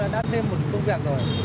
đã thêm một công việc rồi